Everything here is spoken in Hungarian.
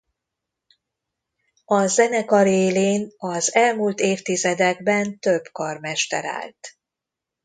A zenekar élén az elmúlt évtizedekben több karmester állt.